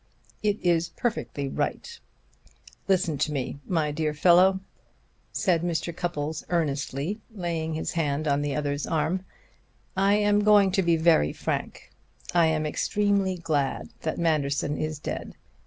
"It is perfectly right. Listen to me, my dear fellow," said Mr. Cupples earnestly, laying his hand on the other's arm. "I am going to be very frank. I am extremely glad that Manderson is dead.